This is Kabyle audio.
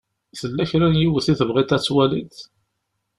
Tella kra n yiwet i tebɣiḍ ad twaliḍ?